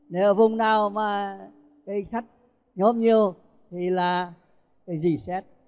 nếu ở vùng nào mà cây sắt nhốm nhiều thì là phải reset